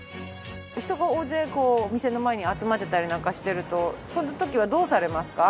人が大勢お店の前に集まってたりなんかしてるとその時はどうされますか？